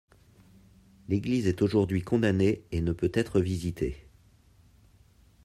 L'église est aujourd'hui condamnée et ne peut être visitée.